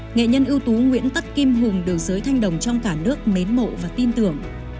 nghệ nhân ưu tú nguyễn tất kim hùng được giới thanh đồng trong cả nước mến mộ và tin tưởng